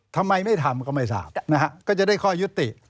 ทำไมไม่ทำก็ไม่ทราบนะฮะก็จะได้ข้อยุติ